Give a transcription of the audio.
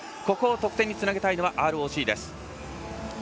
ここを得点につなげたいのはＲＯＣ。